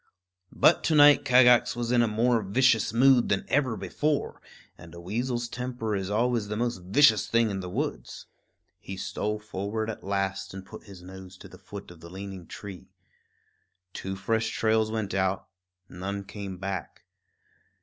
But to night Kagax was in a more vicious mood than ever before; and a weasel's temper is always the most vicious thing in the woods. He stole forward at last and put his nose to the foot of the leaning tree. Two fresh trails went out; none came back.